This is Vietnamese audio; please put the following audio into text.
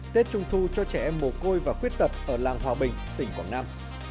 tết trung thu cho trẻ em mồ côi và khuyết tật ở làng hòa bình tỉnh quảng nam